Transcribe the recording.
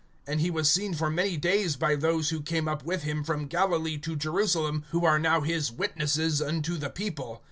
(31)And he was seen for many days by those who came up with him from Galilee to Jerusalem, who are now his witnesses unto the people.